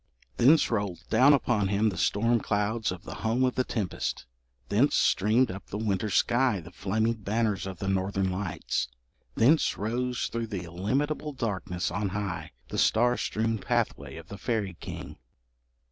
Thence rolled down upon him the storm clouds from the home of the tempest; thence streamed up the winter sky the flaming banners of the Northern lights; thence rose through the illimitable darkness on high, the star strewn pathway of the fairy king.